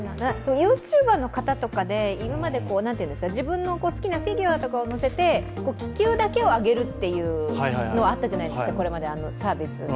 ＹｏｕＴｕｂｅｒの方とかで、今まで自分の好きなフィギュアとかを乗せて気球だけを上げるとかというのはあったんじゃないですか、これまでサービスで。